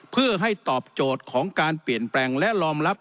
เพื่อให้ตอบโจทย์ของการเปลี่ยนแปลงและรองรับ